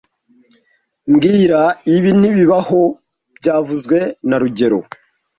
Mbwira ibi ntibibaho byavuzwe na rugero